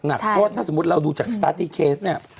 เพราะว่าถ้าสมมุติเราดูจากสตาร์ทตี้เคสเนี่ย